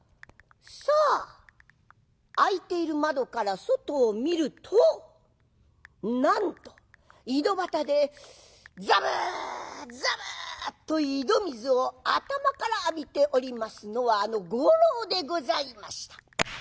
さあ開いている窓から外を見るとなんと井戸端でザブザブっと井戸水を頭から浴びておりますのはあの五郎でございました。